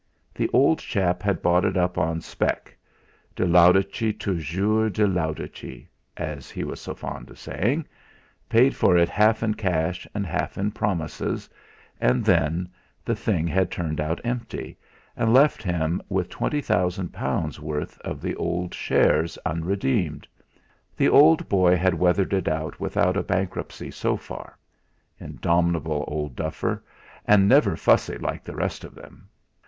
The old chap had bought it up on spec' "de l'audace, toujours de l'audace," as he was so fond of saying paid for it half in cash and half in promises, and then the thing had turned out empty, and left him with L20,000 worth of the old shares unredeemed. The old boy had weathered it out without a bankruptcy so far. Indomitable old buffer; and never fussy like the rest of them!